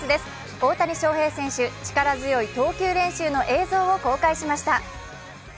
大谷翔平選手、力強い投球練習の映像を公開しました。